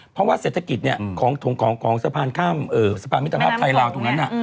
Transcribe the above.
เพราะว่าเศรษฐกิจของสะพานข้ามสะพานมิตรภาพไทยลาวตรงนั้น